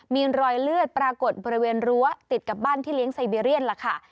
มีรอยเลือดปรากฏบริเวณรั้วติดกับบ้านที่เลี้ยงไซเบียเรียนล่ะค่ะ